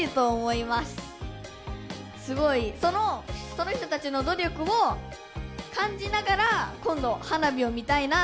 その人たちの努力を感じながら今度花火を見たいなって思います。